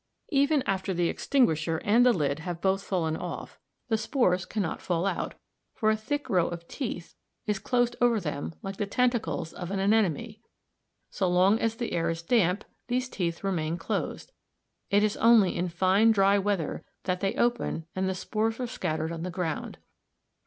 Even after the extinguisher and the lid have both fallen off, the spores cannot fall out, for a thick row of teeth (t, Fig. 35) is closed over them like the tentacles of an anemone. So long as the air is damp these teeth remain closed; it is only in fine dry weather that they open and the spores are scattered on the ground.